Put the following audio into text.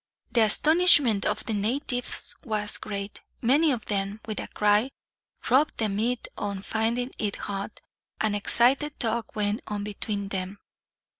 The astonishment of the natives was great. Many of them, with a cry, dropped the meat on finding it hot; and an excited talk went on between them.